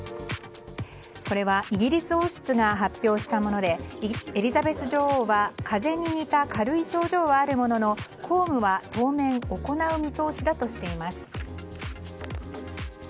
これはイギリス王室が発表したものでエリザベス女王は風邪に似た軽い症状はあるものの公務は当面行う見通しだとしています。